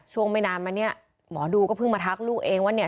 ไม่นานมาเนี่ยหมอดูก็เพิ่งมาทักลูกเองว่าเนี่ย